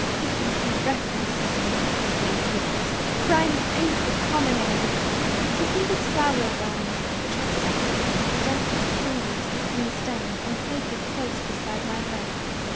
"Give me thy breath, my sister," exclaimed Beatrice; "for I am faint with common air. And give me this flower of thine, which I separate with gentlest fingers from the stem and place it close beside my heart."